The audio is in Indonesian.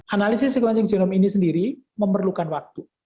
analisis sequencing genome ini sendiri memerlukan waktu